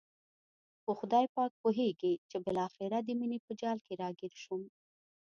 خو خدای پاک پوهېږي چې بالاخره د مینې په جال کې را ګیر شوم.